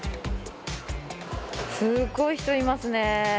すごい人いますね。